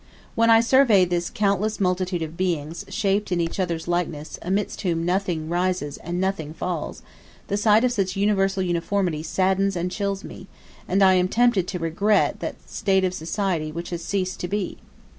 When I survey this countless multitude of beings, shaped in each other's likeness, amidst whom nothing rises and nothing falls, the sight of such universal uniformity saddens and chills me, and I am tempted to regret that state of society which has ceased to be.